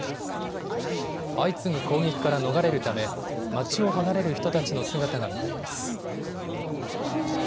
相次ぐ攻撃から逃れるため街を離れる人たちの姿が見られます。